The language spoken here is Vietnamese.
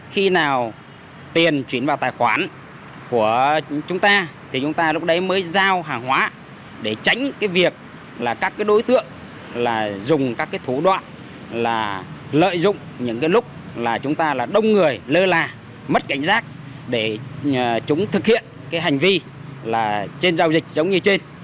khi nào tiền chuyển vào tài khoản của chúng ta thì chúng ta lúc đấy mới giao hàng hóa để tránh cái việc là các cái đối tượng là dùng các cái thủ đoạn là lợi dụng những cái lúc là chúng ta là đông người lơ la mất cảnh giác để chúng thực hiện cái hành vi là trên giao dịch giống như trên